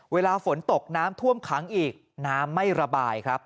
เวลาฝนตกน้ำท่วมขังอีกน้ำไม่ระบายครับ